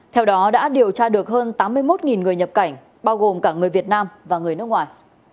theo đó đã điều tra được hơn tám mươi một người nhập cảnh bao gồm cả người việt nam và người nước ngoài